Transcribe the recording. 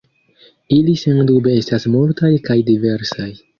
Ili sendube estas multaj kaj diversaj.